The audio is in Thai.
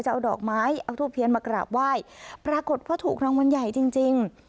เอาดอกไม้เอาทูบเทียนมากราบไหว้ปรากฏว่าถูกรางวัลใหญ่จริงจริง